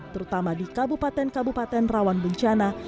terutama di kabupaten kabupaten rawan bencana